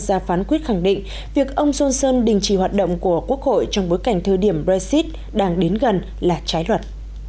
nói cao ra phán quyết khẳng định việc ông johnson đình chỉ hoạt động của quốc hội trong bối cảnh thời điểm brexit đang đến gần là trái luật